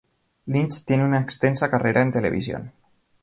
Lynch tiene una extensa carrera en televisión.